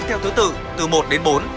theo thứ tự từ một đến bốn